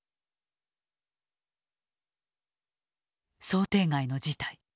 想定外の事態。